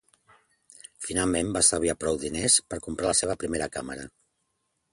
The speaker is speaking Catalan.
Finalment, va estalviar prou diners per comprar la seva primera càmera.